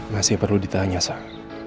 masih perlu ditanya sk